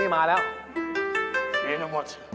นี่เห็น